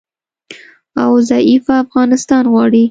او ضعیفه افغانستان غواړي